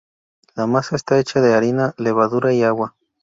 La masa está hecha de harina, levadura y agua.